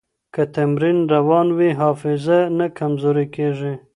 که تمرین روان وي، حافظه نه کمزورې کېږي.